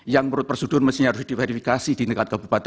yang menurut prosedur mestinya harus diverifikasi di dekat kabupaten